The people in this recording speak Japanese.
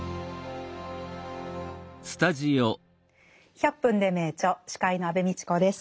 「１００分ｄｅ名著」司会の安部みちこです。